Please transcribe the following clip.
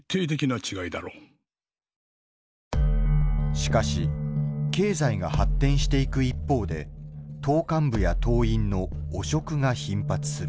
しかし経済が発展していく一方で党幹部や党員の汚職が頻発する。